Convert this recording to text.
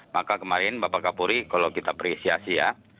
maka kemarin bapak kapolri kalau kita apresiasi ya